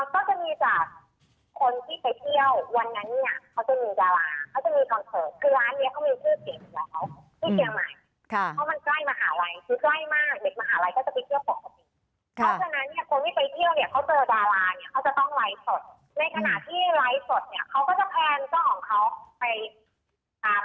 ก็จะมีจากคนที่ไปเที่ยววันนั้นเนี่ยเขาจะมีดาราเขาจะมีคอนเซิร์ตคือร้านเนี้ยเขามีชื่อเด็กแล้วที่เกียรมัยค่ะเขามันใกล้มหาลัยคือใกล้มาก